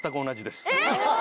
えっ！